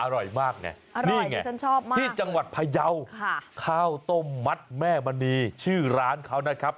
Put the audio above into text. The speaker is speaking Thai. อร่อยมากไงนี่ไงที่จังหวัดพยาวข้าวต้มมัดแม่มณีชื่อร้านเขานะครับ